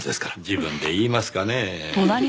自分で言いますかねぇ。